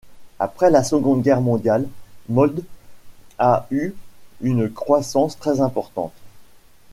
Après la Seconde Guerre mondiale, Molde a eu une croissance très importante.